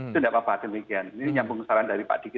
itu tidak apa apa demikian ini nyambung saran dari pak diki